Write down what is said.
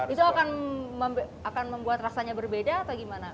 itu akan membuat rasanya berbeda atau gimana